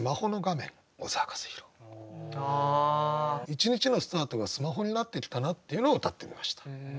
一日のスタートがスマホになってきたなっていうのをうたってみました。